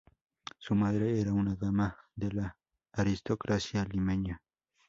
Su madre era una dama de la aristocracia limeña.